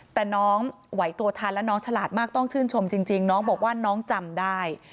แต่น้องไหวตัวทันแล้วน้องฉลาดมากต้องชื่นชมจริงน้องบอกว่าน้องจำได้